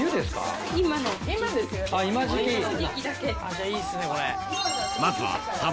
じゃあいいですねこれ。